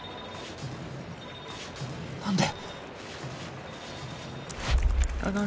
何で？